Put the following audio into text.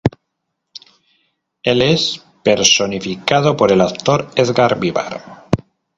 Él es personificado por el actor Édgar Vivar.